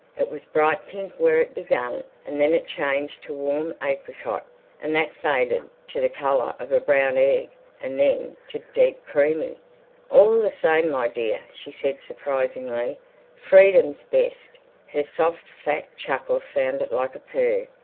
It was bright pink where it began and then it changed to warm apricot, and that faded to the colour of a brown egg and then to a deep creamy. "All the same, my dear," she said surprisingly, "freedom's best!" Her soft, fat chuckle sounded like a purr.